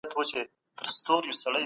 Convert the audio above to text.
که شراب نه وي نو خلګ به څه څښي؟